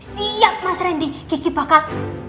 siap mas randy kiki bakal